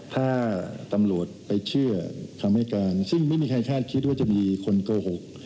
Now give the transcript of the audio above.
ถ้าตำรวจไปเชื่อคำให้การซึ่งไม่มีใครคาดคิดว่าจะมีคนโกหก